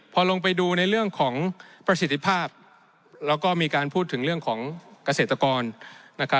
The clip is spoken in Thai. พอลงไปดูในเรื่องของประสิทธิภาพแล้วก็มีการพูดถึงเรื่องของเกษตรกร